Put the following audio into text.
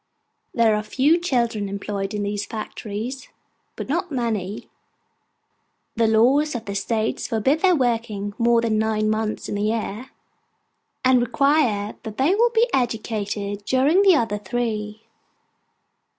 There are a few children employed in these factories, but not many. The laws of the State forbid their working more than nine months in the year, and require that they be educated during the other three.